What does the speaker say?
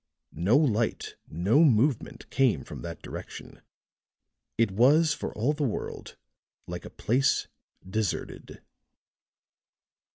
No light, no movement came from that direction. It was for all the world like a place deserted.